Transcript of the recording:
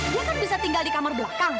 dia kan bisa tinggal di kamar belakang